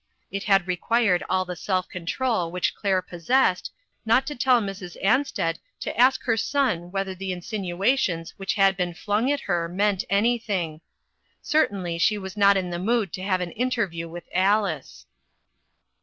It had required all the self control which Claire possessed not to tell Mrs. Ansted to ask her son whether the insinuations which had been flung at her meant anything. Certainly she was not in the mood to have an interview with Alice.